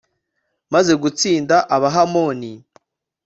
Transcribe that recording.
maze gutsinda abahamoni